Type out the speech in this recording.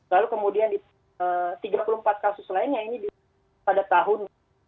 lalu kemudian di tiga puluh empat kasus lainnya ini pada tahun dua ribu dua puluh